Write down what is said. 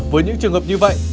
với những trường hợp như vậy